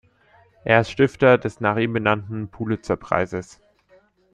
Er ist Stifter des nach ihm benannten Pulitzer-Preises.